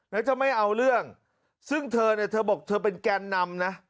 แล้วจะไม่เอาเรื่องซึ่งเธอเนี่ยเธอบอกเธอเป็นแกนนำนะ